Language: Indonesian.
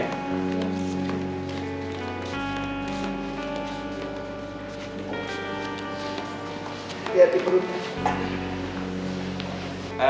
jadi ga habis gue dinapain